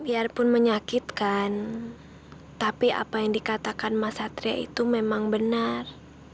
biarpun menyakitkan tapi apa yang dikatakan mas satria itu memang benar